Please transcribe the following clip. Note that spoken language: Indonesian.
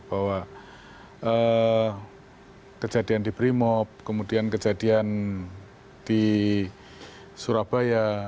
bahwa kejadian di brimob kemudian kejadian di surabaya